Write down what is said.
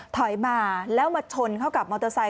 ถอยมาแล้วมาชนเข้ากับมอเตอร์ไซค